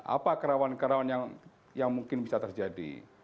apa kerawan kerawan yang mungkin bisa terjadi